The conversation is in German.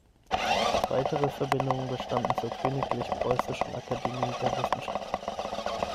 Weitere Verbindungen bestanden zur Königlich-Preußischen Akademie der Wissenschaften.